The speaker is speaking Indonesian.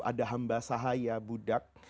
ada hamba sahaya budak